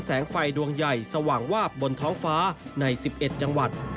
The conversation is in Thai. แสงไฟดวงใหญ่สว่างวาบบนท้องฟ้าใน๑๑จังหวัด